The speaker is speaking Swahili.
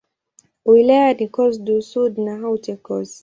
Wilaya ni Corse-du-Sud na Haute-Corse.